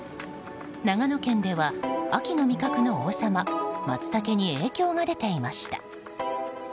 長野県では、秋の味覚の王様マツタケに影響が出ていました。